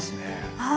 はい。